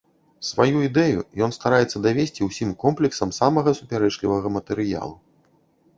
Сваю ідэю ён стараецца давесці ўсім комплексам самага супярэчлівага матэрыялу.